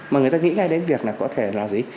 mà người ta nghĩ ngay đến việc là có thể là gì